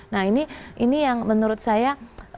nah ini yang menurut saya